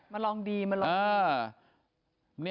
มาลองดีมาลองดี